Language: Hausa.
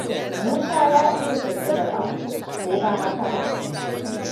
Musa ya iya kirkirar abu, ko ba haka ba?